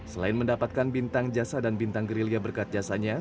selain mendapatkan bintang jasa dan bintang gerilya berkat jasanya